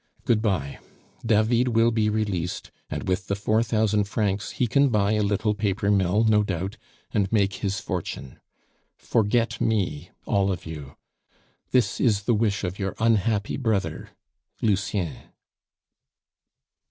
"Good bye. David will be released, and with the four thousand francs he can buy a little paper mill, no doubt, and make his fortune. Forget me, all of you. This is the wish of your unhappy brother. "LUCIEN."